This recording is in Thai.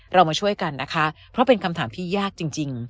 เรามาช่วยกันนะคะเพราะเป็นคำถามที่ยากจริง